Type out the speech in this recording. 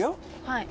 「はい。